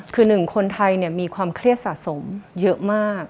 คือหนึ่งคนไทยมีความเครียดสะสมเยอะมาก